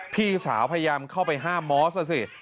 พี่สาวพยายามเข้าไปห้ามมอสอ่ะสิ